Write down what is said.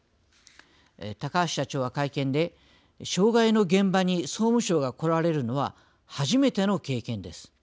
高橋社長は会見で障害の現場に総務省が来られるのは初めての経験です。